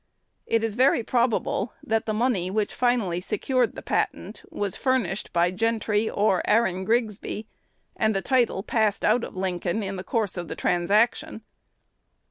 It is very probable that the money which finally secured the patent was furnished by Gentry or Aaron Grigsby, and the title passed out of Lincoln in the course of the transaction.